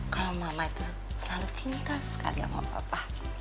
kalau mama itu selalu cinta sekali sama papa